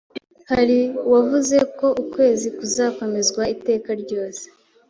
hari wavuze ko ukwezi ‘kuzakomezwa iteka ryose